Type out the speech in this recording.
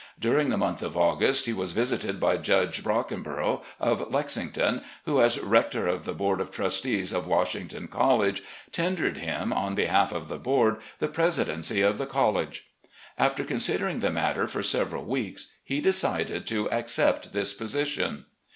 During the month of August he was visited by Judge Brockenborough, of Lexington, who, as Rector of the Board of Trustees of Washington College, tendered him, on behalf of the Board, the presidency of the college. After considering the matter for several weeks, he decided to accept this position.